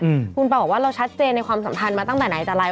อืมคุณเปล่าบอกว่าเราชัดเจนในความสัมพันธ์มาตั้งแต่ไหนแต่ไร